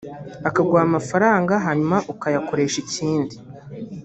akaguha amafaranga hanyuma ukayakoresha ikindi